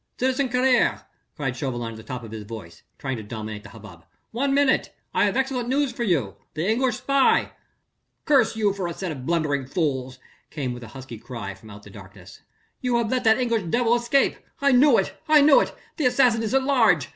"Citizen Carrier!" cried Chauvelin at the top of his voice, trying to dominate the hubbub, "one minute ... I have excellent news for you.... The English spy...." "Curse you for a set of blundering fools," came with a husky cry from out the darkness, "you have let that English devil escape ... I knew it ... I knew it ... the assassin is at large